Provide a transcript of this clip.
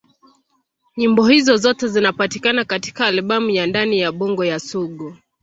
Nyimbo hizo zote zinapatikana katika albamu ya Ndani ya Bongo ya Sugu.